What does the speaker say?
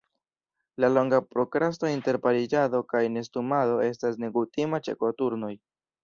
La longa prokrasto inter pariĝado kaj nestumado estas nekutima ĉe koturnoj.